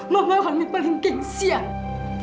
mama mau ambil pelengkingsian